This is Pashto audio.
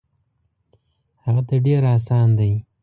هغه ته ډېر اسان دی.